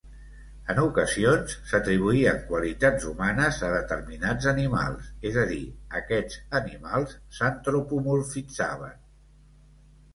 En ocasions, s'atribuïen qualitats humanes a determinats animals; és a dir, aquests animals s'antropomorfitzaven.